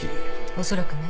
おそらくね。